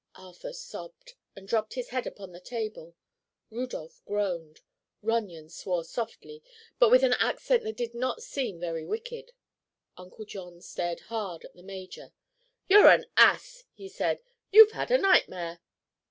Arthur sobbed and dropped his head upon the table. Rudolph groaned. Runyon swore softly, but with an accent that did not seem very wicked. Uncle John stared hard at the major. "You're an ass," he said. "You've had a nightmare."